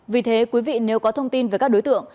vì thế quý vị nếu có thông tin về các đối tượng